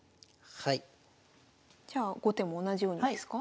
じゃあ後手も同じようにですか？